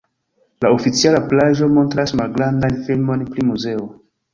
La oficiala paĝo montras malgrandan filmon pri muzeo.